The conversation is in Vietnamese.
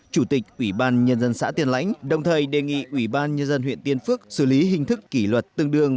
chủ tịch ủy ban nhân dân xã tiên lãnh đồng thời đề nghị ủy ban nhân dân huyện tiên phước xử lý hình thức kỷ luật tương đương